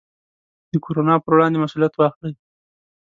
د کورونا پر وړاندې مسوولیت واخلئ.